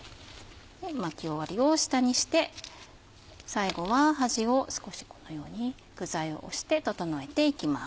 巻き終わりを下にして最後は端を少しこのように具材を押して整えていきます。